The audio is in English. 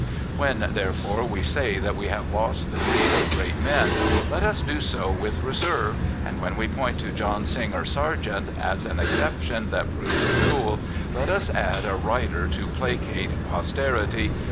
When, there fore, we say that we have lost the breed of great men, let us do so with reserve, and when we point to John Singer Sargent as an exception that proves the rule, let us add a rider to placate posterity.